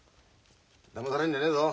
だまされんじゃねえぞ！